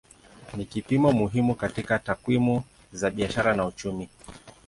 Ni kipimo muhimu katika takwimu za biashara na uchumi.